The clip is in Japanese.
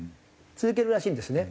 続けるらしいんですね。